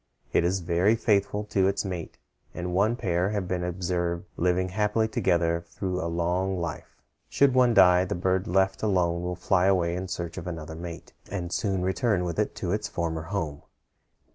It is very faithful to its mate, and one pair have been observed living happily together through a long life. Should one die, the bird left alone will fly away in search of another mate, and soon return with it to its former home.